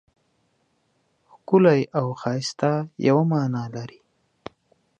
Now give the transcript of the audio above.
ښکلی او ښایسته یوه مانا لري.